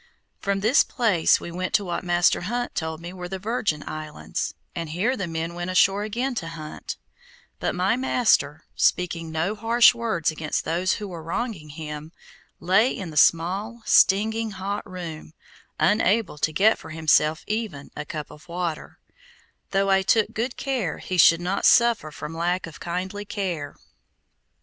From this place we went to what Master Hunt told me were the Virgin islands, and here the men went ashore again to hunt; but my master, speaking no harsh words against those who were wronging him, lay in the small, stinging hot room, unable to get for himself even a cup of water, though I took good care he should not suffer from lack of kindly care.